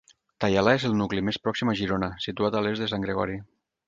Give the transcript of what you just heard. Taialà és el nucli més pròxim a Girona, situat a l’est de Sant Gregori.